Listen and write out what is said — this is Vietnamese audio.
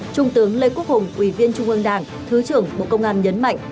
trung tướng lê quốc hùng ủy viên trung ương đảng thứ trưởng bộ công an nhấn mạnh